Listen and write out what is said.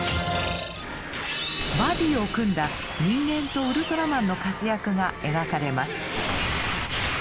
バディーを組んだ人間とウルトラマンの活躍が描かれます。